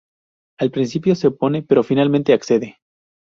Al principio se opone, pero finalmente accede.